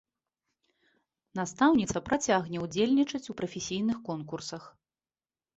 Настаўніца працягне ўдзельнічаць у прафесійных конкурсах.